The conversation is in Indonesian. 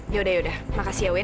yaudah yaudah makasih ya win